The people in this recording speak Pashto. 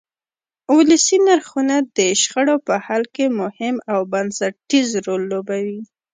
ولسي نرخونه د شخړو په حل کې مهم او بنسټیز رول لوبوي.